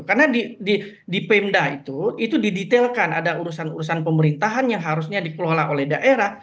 karena di pemda itu itu didetailkan ada urusan urusan pemerintahan yang harusnya dikelola oleh daerah